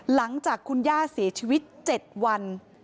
หลังจากคุณย่าเสียชีวิต๗วัน